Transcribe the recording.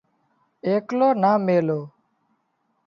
ايڪلو نا ميلو